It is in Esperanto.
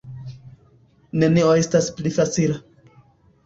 Nenio estas pli facila.